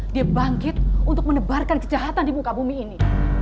dia bangkit untuk menebarkan kejahatan di muka bumi ini